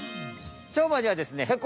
しょうまにはですね